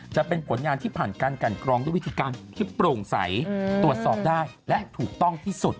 จะเป็นผลงานที่ผ่านการกันกรองด้วยวิธีการที่โปร่งใสตรวจสอบได้และถูกต้องที่สุด